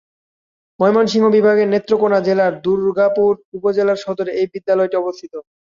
ময়মনসিংহ বিভাগের নেত্রকোণা জেলার দুর্গাপুর উপজেলা সদরে এই বিদ্যালয়টি অবস্থিত।